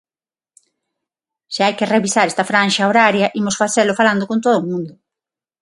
Se hai que revisar esta franxa horaria imos facelo falando con todo o mundo.